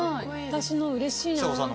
私のうれしいな。